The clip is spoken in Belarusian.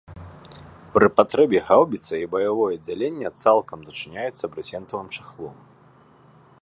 Пры патрэбе гаўбіца і баявое аддзяленне цалкам зачыняюцца брызентавым чахлом.